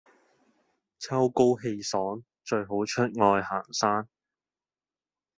秋高氣爽最好出外行山